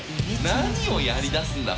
何をやりだすんだ？